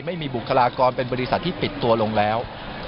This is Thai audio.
บุคลากรเป็นบริษัทที่ปิดตัวลงแล้ว